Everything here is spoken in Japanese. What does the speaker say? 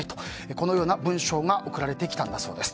このような文章が送られてきたんだそうです。